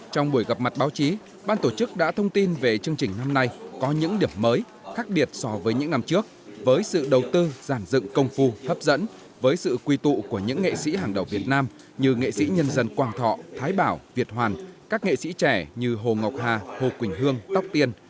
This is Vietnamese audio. trong buổi gặp mặt báo chí ban tổ chức đã thông tin về chương trình năm nay có những điểm mới khác biệt so với những năm trước với sự đầu tư giản dựng công phu hấp dẫn với sự quy tụ của những nghệ sĩ hàng đầu việt nam như nghệ sĩ nhân dân quang thọ thái bảo việt hoàn các nghệ sĩ trẻ như hồ ngọc hà hồ quỳnh hương tóc tiên